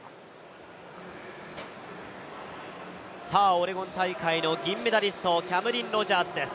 オレゴン大会の銀メダリスト、キャムリン・ロジャーズです。